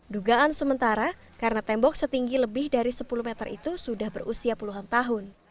dugaan sementara karena tembok setinggi lebih dari sepuluh meter itu sudah berusia puluhan tahun